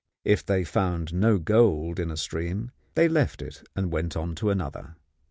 If they found no gold in a stream, they left it and went on to another.